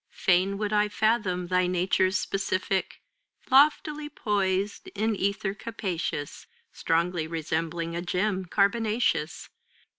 Fain would I fathom thy nature's specific Loftily poised in ether capacious. Strongly resembling a gem carbonaceous.